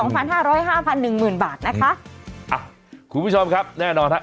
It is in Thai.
๒๕๐๐บาท๕๑๐๐บาทนะคะคุณผู้ชมครับแน่นอนครับ